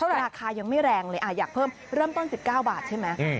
ราคายังไม่แรงเลยอยากเพิ่มเริ่มต้น๑๙บาทใช่ไหม